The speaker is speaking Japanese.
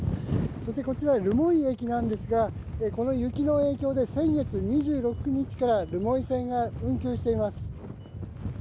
そしてこちらは留萌駅ですが雪の影響で先月２６日から留萌線が運休しています。